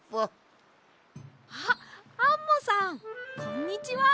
あっアンモさんこんにちは！